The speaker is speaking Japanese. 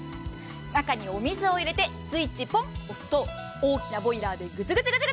中にお水を入れてスイッチポンと押すと大きなボイラーでグツグツグツ。